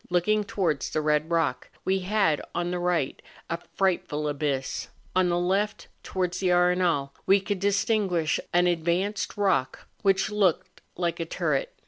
Looking towards the red rock, we liad on the right a frightful abyss; on the left, towards the Arenal, we could distinguish an ad¬ vanced rock, which looked like a turret.